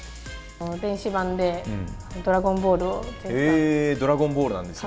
電子版でドラゴンボールを全ドラゴンボールなんですね。